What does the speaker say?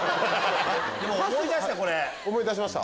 思い出した！